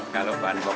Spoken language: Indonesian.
kalau bahan pokoknya